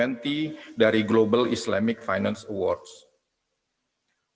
bersama ojk saya berharap anda menemukan kesempatan yang sangat penting di indonesia